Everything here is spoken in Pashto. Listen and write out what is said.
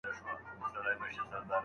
شعر بايد د ټولني ستونزي بيان کړي.